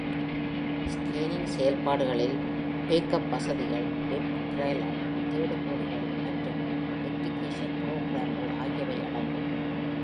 Scanning செயல்பாடுகளில் backup வசதிகள், web crawler, தேடுபொறிகள் மற்றும் ரெப்லிகேசன் புரோகிராம்கள் ஆகியவை அடங்கும்.